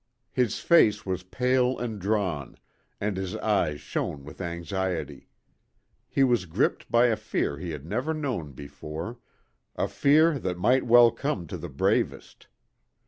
His face was pale and drawn, and his eyes shone with anxiety. He was gripped by a fear he had never known before, a fear that might well come to the bravest.